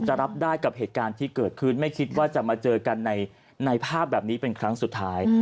รับได้กับเหตุการณ์ที่เกิดขึ้นไม่คิดว่าจะมาเจอกันในภาพแบบนี้เป็นครั้งสุดท้าย